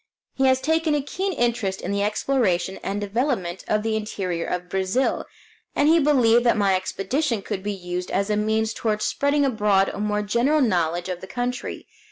He has taken a keen interest in the exploration and development of the interior of Brazil, and he believed that my expedition could be used as a means toward spreading abroad a more general knowledge of the country.